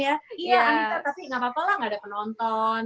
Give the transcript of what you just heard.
iya amita tapi gapapa lah gak ada penonton